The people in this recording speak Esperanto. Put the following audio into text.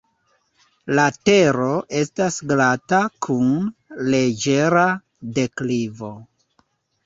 La tero estas glata kun leĝera deklivo.